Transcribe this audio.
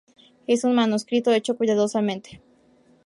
Es un manuscrito hecho cuidadosamente.